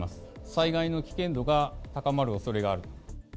災害の危険度が高まるおそれがあ